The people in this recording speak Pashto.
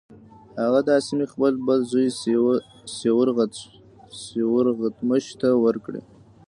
هغه دا سیمې خپل بل زوی سیورغتمش ته ورکړې.